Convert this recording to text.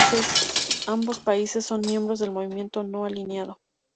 Ambos países son miembros del Movimiento No Alineado.